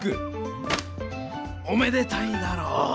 おめでたいだろう？